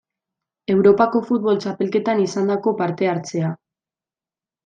Europako Futbol Txapelketan izandako parte-hartzea.